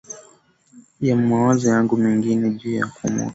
ya mawazo yangu mengine juu ya kuokoa